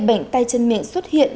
bệnh tay chân miệng xuất hiện